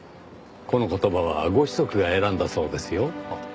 この言葉はご子息が選んだそうですよ。